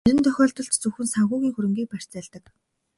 Зарим тохиолдолд зөвхөн санхүүгийн хөрөнгийг барьцаалдаг.